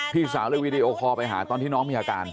พี่สาวเลยวีดีโอคอลไปหาตอนที่น้องมีอาการ